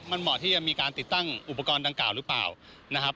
มันเหมาะที่จะมีการติดตั้งอุปกรณ์ดังกล่าวหรือเปล่านะครับ